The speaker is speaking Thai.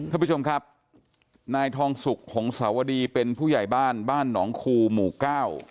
ท่านผู้ชมครับนายทองสุกหงสาวดีเป็นผู้ใหญ่บ้านบ้านหนองคูหมู่เก้า